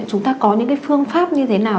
chúng ta có những phương pháp như thế nào